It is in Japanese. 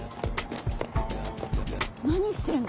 何してんの？